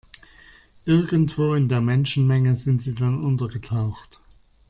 Irgendwo in der Menschenmenge sind sie dann untergetaucht.